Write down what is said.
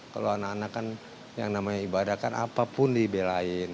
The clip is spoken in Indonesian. kalau anak anak kan yang namanya ibadah kan apapun dibelain